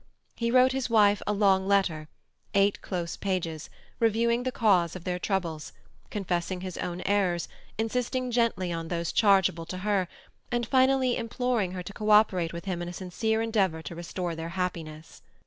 He wrote his wife a long letter, eight close pages, reviewing the cause of their troubles, confessing his own errors, insisting gently on those chargeable to her, and finally imploring her to cooperate with him in a sincere endeavour to restore their happiness.